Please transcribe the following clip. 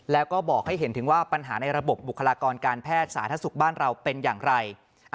แล้วก็บอกให้เห็นถึงว่าปัญหาในระบบบุคลากรการแพทย์สาธารณสุขบ้านเราเป็นอย่างไร